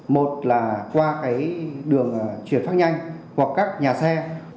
một là qua cái đường chuyển phát nhanh hoặc các nhà xe